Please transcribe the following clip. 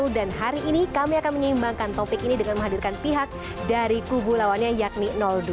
dan hari ini kami akan menyeimbangkan topik ini dengan menghadirkan pihak dari kubu lawannya yakni dua